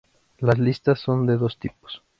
Las listas son de dos tipos.